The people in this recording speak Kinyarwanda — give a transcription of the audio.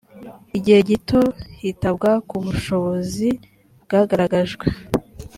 igihe gito hitabwa ku bushobozi bwagaragajwe